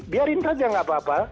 biarin saja nggak apa apa